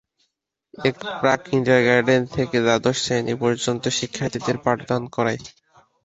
এটি প্রাক কিন্ডারগার্টেন থেকে দ্বাদশ শ্রেণী পর্যন্ত শিক্ষার্থীদের পাঠদান করায়।